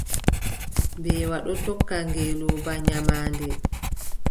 Mbeewa ɗon tokka ngeelooba nyamaande.